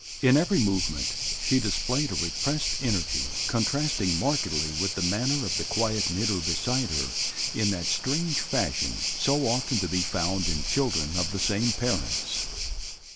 In every movement she displayed a repressed energy contrasting markedly with the manner of the quiet knitter beside her in that strange fashion so often to be found in children of the same parents.